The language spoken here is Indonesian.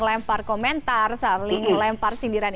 lempar komentar saling lempar sindiran